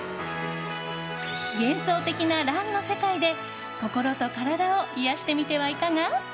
幻想的なランの世界で心と体を癒やしてみてはいかが？